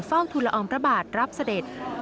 ฟ่องทุลออมประบาทรับเสด็จ